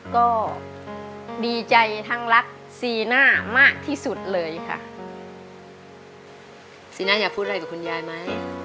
ก็ดีใจทั้งรักซีน่ามากที่สุดเลยค่ะซีน่าอยากพูดอะไรกับคุณยายไหม